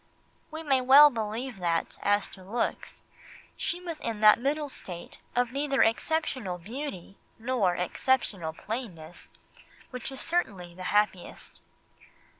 We may well believe that, as to looks, she was in that middle state of neither exceptional beauty nor exceptional plainness, which is certainly the happiest.